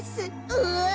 うわ。